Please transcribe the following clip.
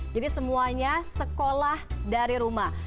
jadi semuanya sekolah dari rumah